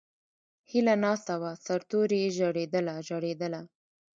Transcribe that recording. ھیلہ ناستہ وہ سر توریی ژڑیدلہ، ژڑیدلہ